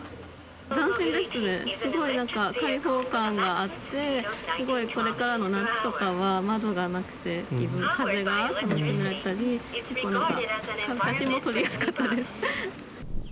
斬新ですね、すごいなんか、開放感があって、すごいこれからの夏とかは、窓がなくて、風が楽しめたり、結構なんか、写真も撮りやすかったです。